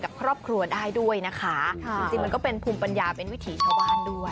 กับครอบครัวได้ด้วยนะคะจริงจริงมันก็เป็นภูมิปัญญาเป็นวิถีชาวบ้านด้วย